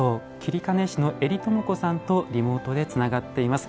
截金師の江里朋子さんとリモートでつながっています。